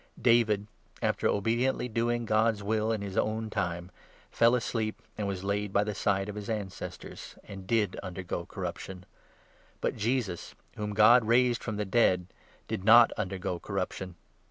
David, after obediently doing God's will in his own time, ' fell 36 asleep and was laid by the side of his ancestors', and did undergo corruption ; but Jesus, whom God raised from the 37 dead, did not undergo corruption.